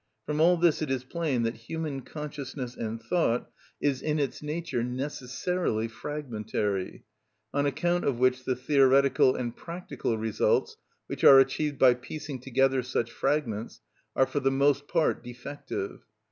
From all this it is plain that human consciousness and thought is in its nature necessarily fragmentary, on account of which the theoretical and practical results which are achieved by piecing together such fragments are for the most part defective.